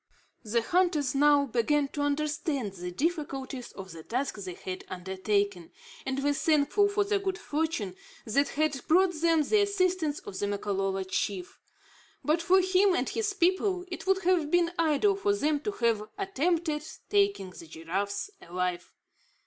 The hunters now began to understand the difficulties of the task they had undertaken, and were thankful for the good fortune that had brought them the assistance of the Makololo chief. But for him and his people, it would have been idle for them to have attempted taking the giraffes alive.